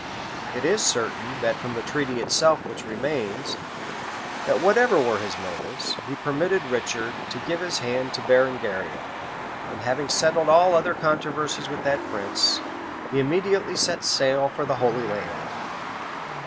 It is certain, from the treaty itself which remains,[] that, whatever were his motives, he permitted Richard to give his hand to Berengaria; and having settled all other controversies with that prince, he immediately set sail for the Holy Land.